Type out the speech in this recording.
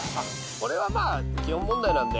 これは基本問題なんで。